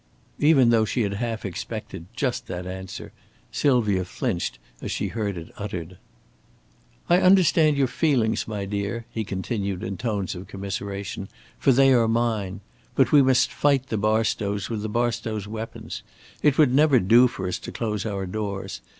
Even though she had half expected just that answer, Sylvia flinched as she heard it uttered. "I understand your feelings, my dear," he continued in tones of commiseration, "for they are mine. But we must fight the Barstows with the Barstows' weapons. It would never do for us to close our doors.